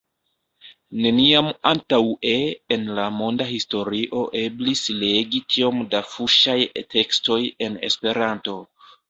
Neniam antaŭe en la monda historio eblis legi tiom da fuŝaj tekstoj en Esperanto.